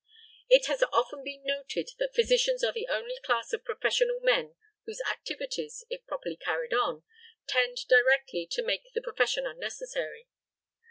It has often been noted that physicians are the only class of professional men whose activities, if properly carried on, tend directly to make the profession unnecessary.